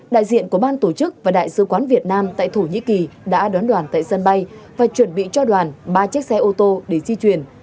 đại diện của ban tổ chức và đại sứ quán việt nam tại thổ nhĩ kỳ đã đón đoàn tại sân bay và chuẩn bị cho đoàn ba chiếc xe ô tô để di chuyển